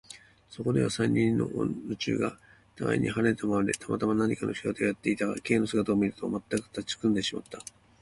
そこでは、三、四人の女中がたがいに離れたままで、たまたま何かの仕事をやっていたが、Ｋ の姿を見ると、まったく立ちすくんでしまった。